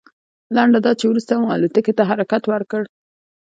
لنډه دا چې وروسته مو الوتکې ته حرکت وکړ.